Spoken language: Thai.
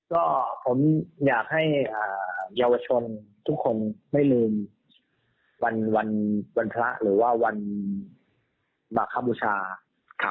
ก็ผมอยากให้เยาวชนทุกคนไม่ลืมวันพระหรือว่าวันมาคบูชาครับ